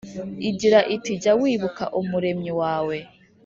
igira iti jya wibuka Umuremyi wawe